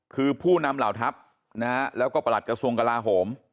คือผู้นำเหล่าทัพนะฮะแล้วก็ประหลัดกระทรวงกลาโหม